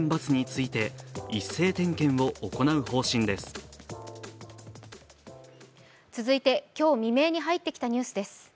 続いて今日未明に入ってきたニュースです。